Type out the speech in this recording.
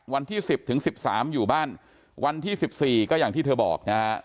วันที่๑๐ถึง๑๓อยู่บ้านวันที่๑๔ก็อย่างที่เธอบอกนะฮะ